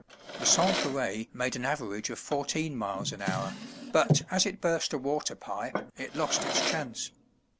The "Sanspareil" made an average of fourteen miles an hour, but as it burst a water pipe, it lost its chance.